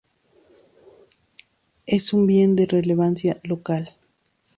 Es un Bien de Relevancia Local.